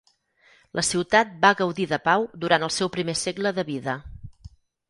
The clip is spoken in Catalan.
La ciutat va gaudir de pau durant el seu primer segle de vida.